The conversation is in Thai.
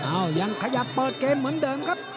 ยังขยับเปิดเกมเหมือนเดิมครับ